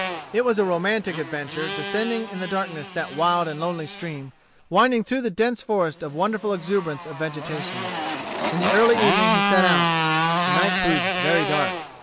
It was a romantic adventure descending in the darkness that wild and lonely stream, winding through the dense forest of wonderful exuberance of vegetation. In the early evening he set out. The night proved very dark.